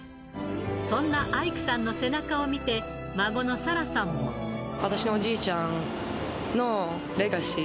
そんなアイクさんの背中を見私のおじいちゃんのレガシー